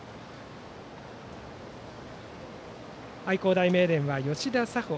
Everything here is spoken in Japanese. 愛工大名電は吉田紗穂